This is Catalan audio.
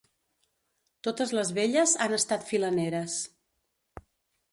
Totes les velles han estat filaneres.